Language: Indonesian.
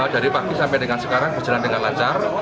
dari pagi sampai dengan sekarang berjalan dengan lancar